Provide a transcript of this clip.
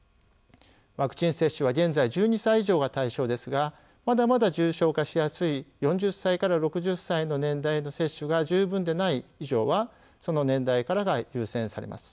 ワクチン接種は現在１２歳以上が対象ですがまだまだ重症化しやすい４０歳から６０歳の年代の接種が十分でない以上はその年代からが優先されます。